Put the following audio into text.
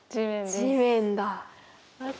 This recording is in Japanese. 地面だ。